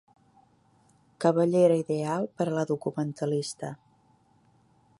Cabellera ideal per a la documentalista.